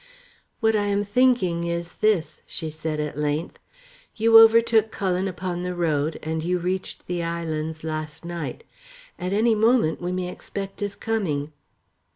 "What I am thinking is this," she said, at length. "You overtook Cullen upon the road, and you reached the islands last night. At any moment then we may expect his coming."